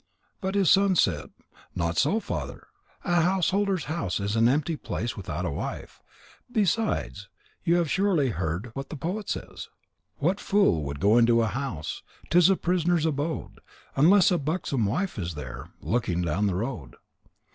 But his son said: "Not so, Father. A householder's house is an empty place without a wife. Besides, you have surely heard what the poet says: What fool would go into a house? Tis a prisoner's abode, Unless a buxom wife is there, Looking down the road.'